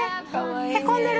へこんでる。